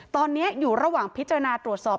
ตอนนี้อยู่ระหว่างพิจารณาตรวจสอบ